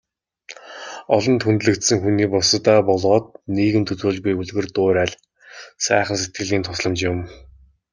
Олонд хүндлэгдсэн хүний бусдадаа болоод нийгэмд үзүүлж буй үлгэр дуурайл, сайхан сэтгэлийн тусламж юм.